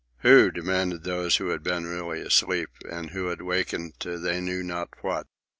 "Who?" demanded those who had been really asleep, and who had wakened to they knew not what.